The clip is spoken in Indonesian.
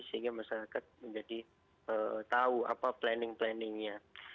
sehingga masyarakat menjadi tahu apa planning planningnya